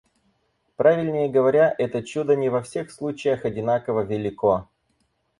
Правильнее говоря, это чудо не во всех случаях одинаково велико.